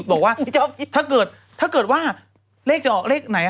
บอกว่าถ้าเกิดว่าเลขจะออกเลขไหน